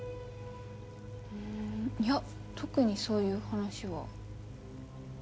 うーんいや特にそういう話は。